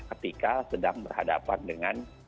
ketika sedang berhadapan dengan